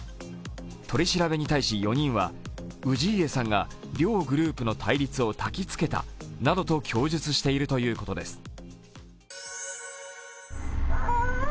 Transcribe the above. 取り調べに対し４人は、氏家さんが両グループの対立をたきつけた供述しているということです。